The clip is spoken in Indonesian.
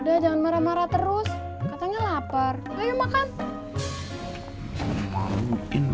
udah jangan marah marah terus katanya lapar ayo makan